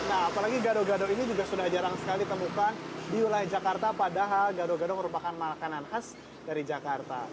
nah apalagi gado gado ini juga sudah jarang sekali ditemukan di wilayah jakarta padahal gado gado merupakan makanan khas dari jakarta